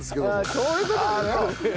そういう事だね。